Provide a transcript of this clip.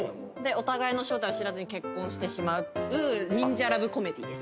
お互いの正体を知らずに結婚してしまう忍者ラブコメディーです。